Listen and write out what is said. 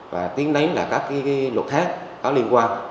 và tiến đánh là các cái luật khác có liên quan